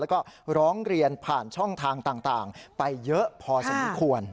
แล้วก็ร้องเรียนผ่านช่องทางต่างไปเยอะพอสมควร